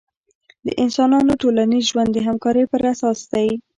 د انسانانو ټولنیز ژوند د همکارۍ پراساس دی.